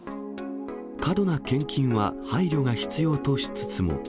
過度な献金は配慮が必要としつつも。